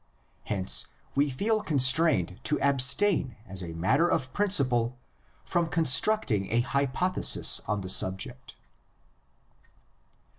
Hence we feel constrained to abstain as a matter of principle from construct ing a hypothesis on the subject.